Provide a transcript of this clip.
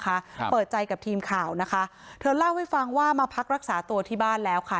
ครับเปิดใจกับทีมข่าวนะคะเธอเล่าให้ฟังว่ามาพักรักษาตัวที่บ้านแล้วค่ะ